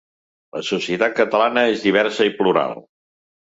La societat catalana és diversa i plural.